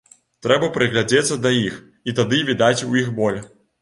Трэба прыгледзецца да іх, і тады відаць у іх боль.